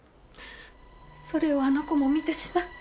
それをあの子も見てしまって。